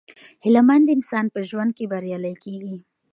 هیله مند انسان په ژوند کې بریالی کیږي.